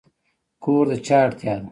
کور د چا اړتیا ده؟